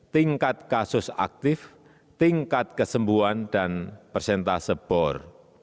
tingkat kasus aktif tingkat kesembuhan dan persentase bor